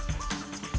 orang buta bisa libur